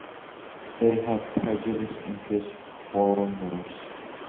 They have prejudices against foreigners.